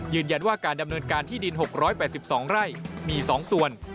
ยืนยันว่าการดำเนินการที่ดิน๖๘๒ไร่มี๒ส่วน